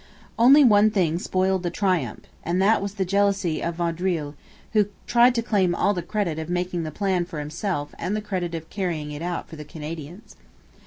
Only one thing spoiled the triumph; and that was the jealousy of Vaudreuil, who tried to claim all the credit of making the plan for himself and the credit of carrying it out for the Canadians.